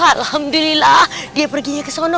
alhamdulillah dia perginya ke sana